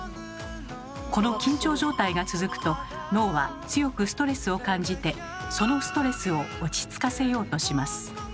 この緊張状態が続くと脳は強くストレスを感じてそのストレスを落ち着かせようとします。